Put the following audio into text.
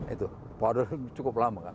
itu powder cukup lama kan